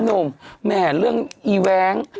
โธ่นุ่มแหมเรื่องแหวง